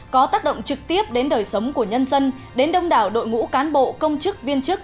có tác động trực tiếp đến đời sống của nhân dân đến đông đảo đội ngũ cán bộ công chức viên chức